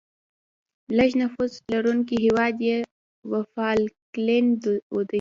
لیږ نفوس لرونکی هیواد یې وفالکلند دی.